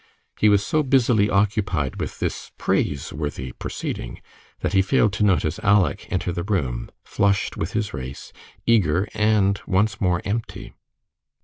He was so busily occupied with this praiseworthy proceeding that he failed to notice Aleck enter the room, flushed with his race, eager and once more empty.